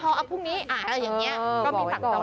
เอ้าพรุ่งนี้ก็มีศักดิ์เต่า